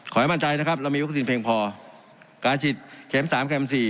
ขอให้มั่นใจนะครับเรามีวัคซีนเพียงพอการฉีดเข็มสามเข็มสี่